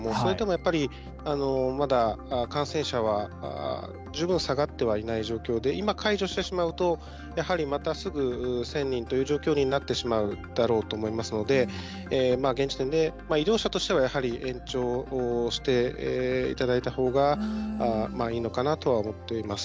やっぱりまだ、感染者は十分、下がってはいない状況で今、解除してしまうとやはり、またすぐ１０００人という状況になってしまうだろうと思いますので現時点で医療者としては延長していただいたほうがいいのかなとは思っています。